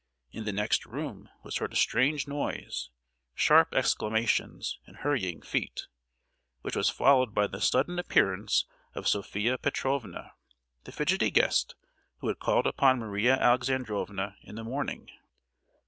In the next room was heard a strange noise—sharp exclamations and hurrying feet, which was followed by the sudden appearance of Sophia Petrovna, the fidgety guest who had called upon Maria Alexandrovna in the morning.